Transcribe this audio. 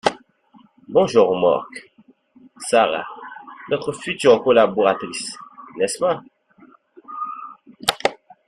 bonjour Marc, Sara, notre future collaboratrice – n’est-ce pas?